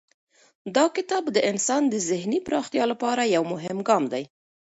دا کتاب د انسان د ذهني پراختیا لپاره یو مهم ګام دی.